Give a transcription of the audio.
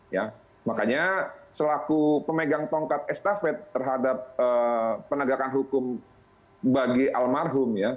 ya makanya selaku pemegang tongkat estafet terhadap penegakan hukum bagi almarhum ya